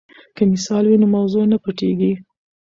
که مثال وي نو موضوع نه پټیږي.